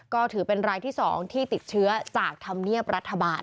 ก็ถือเป็นรายที่๒ที่ติดเชื้อจากธรรมเนียบรัฐบาล